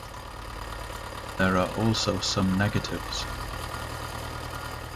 There are also some negatives.